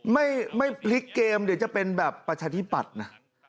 ไม่พลิกเกมเดี๋ยวจะเป็นแบบประชาธิปัตย์นะ